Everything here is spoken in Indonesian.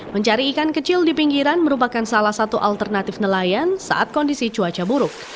mencari ikan kecil di pinggiran merupakan salah satu alternatif nelayan saat kondisi cuaca buruk